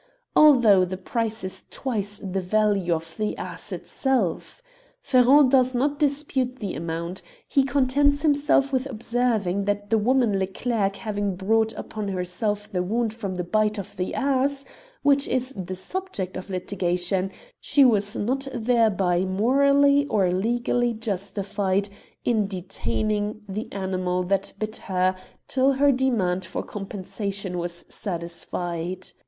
Although the price is twice the value of the ass itself, Ferron does not dispute the amount ; he contents himself with observing that the woman Leclerc having brought upon herself the wound from the bite of the ass, which is the subject of litigation, she was not thereby morally or legally justified in detaining the 213 Curiosities of Olden Times animal that bit her till her demand for compensation was satisfied.